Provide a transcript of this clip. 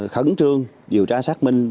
khẩn trương điều tra xác minh